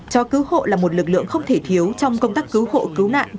cho cứu hộ là một lực lượng không thể thiếu trong công tác cứu hộ cứu nạn